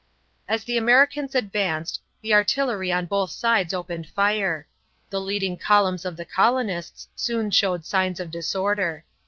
As the Americans advanced, the artillery on both sides opened fire. The leading columns of the colonists soon showed signs of disorder.